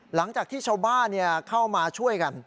หลังจากที่ชาวบ้านเข้ามาช่วยกัน